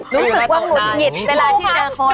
รู้สึกว่าหงุดหงิดเวลาที่เจอคอ